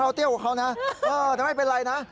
โอ้โหเป็นแง่ล่ะคุณ